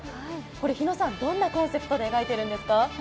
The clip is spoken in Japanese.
これ、日野さん、どんなコンセプトで描いてるんですか？